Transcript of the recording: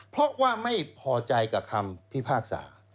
เพราะว่าไม่พอใจกับคำพิพากษา